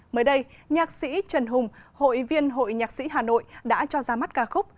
mới đây nhạc sĩ trần hùng hội viên hội nhạc sĩ hà nội đã cho ra mắt ca khúc